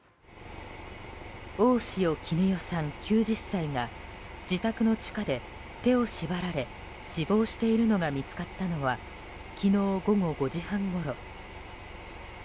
大塩衣與さん、９０歳が自宅の地下で手を縛られ死亡しているのが見つかったのは昨日、午後５時半ごろ。